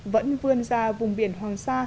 vẫn vươn ra vùng biển hoàng sa